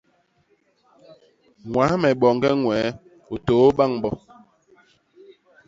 Ñwas me boñge ñwee, u too bañ bo.